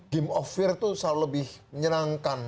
game of fear itu selalu lebih menyenangkan